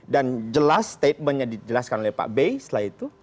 dan jelas statementnya dijelaskan oleh pak bey setelah itu